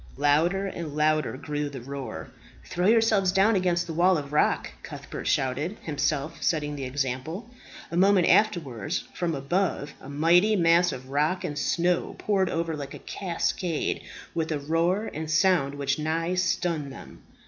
Louder and louder grew the roar. "Throw yourselves down against the wall of rock," Cuthbert shouted, himself setting the example. A moment afterwards, from above, a mighty mass of rock and snow poured over like a cascade, with a roar and sound which nigh stunned them.